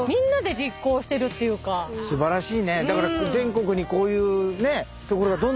素晴らしい！